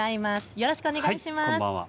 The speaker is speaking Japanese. よろしくお願いします。